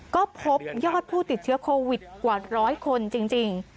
ก็พบยอดผู้ติดเชื้อโควิดกว่าร้อยคนจริง